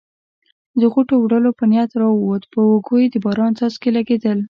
د غوټو وړلو په نیت راووت، پر اوږو یې د باران څاڅکي لګېدل.